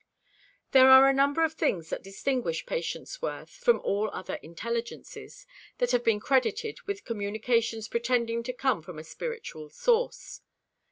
There are a number of things that distinguish Patience Worth from all other "intelligences" that have been credited with communications pretending to come from a spiritual source.